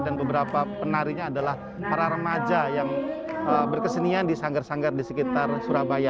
dan beberapa penarinya adalah para remaja yang berkesenian di sanggar sanggar di sekitar surabaya